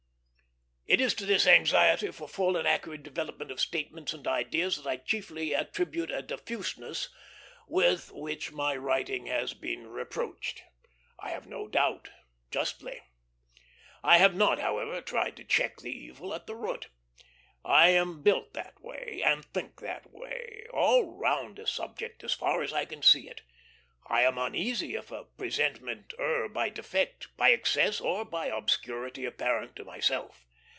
It is to this anxiety for full and accurate development of statements and ideas that I chiefly attribute a diffuseness with which my writing has been reproached; I have no doubt justly. I have not, however, tried to check the evil at the root. I am built that way, and think that way; all round a subject, as far as I can see it. I am uneasy if a presentment err by defect, by excess, or by obscurity apparent to myself.